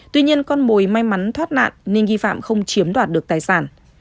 tuy nhiên con mồi may mắn thoát nạn nên nghi phạm không chiếm đoạt được tài sản